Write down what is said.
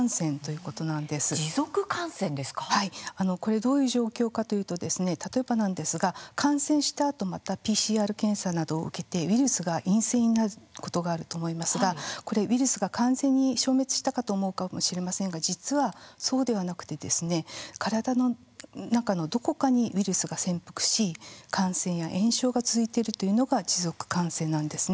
どういう状況かというとですね例えばなんですが感染したあとまたＰＣＲ検査などを受けてウイルスが陰性になることがあると思いますがこれウイルスが完全に消滅したかと思うかもしれませんが実はそうではなくてですね体の中のどこかにウイルスが潜伏し感染や炎症が続いているというのが持続感染なんですね。